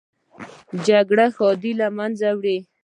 جګړه ښادي له منځه وړي